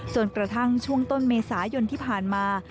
กระทั่งช่วงต้นเมษายนที่ผ่านมา